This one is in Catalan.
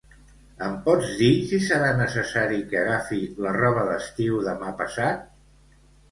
Em pots dir si serà necessari que agafi la roba d'estiu demà passat?